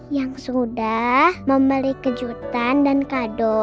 yang sudah membeli kejutan dan kado